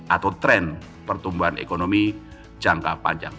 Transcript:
atau tren pertumbuhan ekonomi jangka panjang